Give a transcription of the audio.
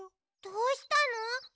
どうしたの？